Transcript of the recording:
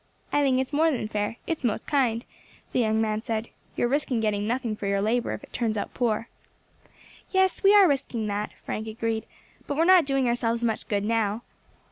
"I think it's more than fair; it is most kind," the young man said. "You are risking getting nothing for your labour if it turns out poor." "Yes, we are risking that," Frank agreed, "but we are not doing ourselves much good now.